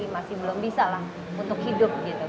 masih belum bisa lah untuk hidup gitu